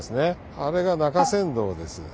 あれが中山道です。